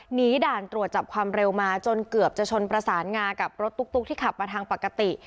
ด่านตรวจจับความเร็วมาจนเกือบจะชนประสานงากับรถตุ๊กที่ขับมาทางปกติ